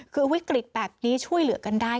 คือวิกฤตแบบนี้ช่วยเหลือกันได้